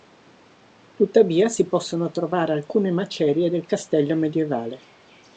Tuttavia si possono trovare alcune macerie del castello medievale.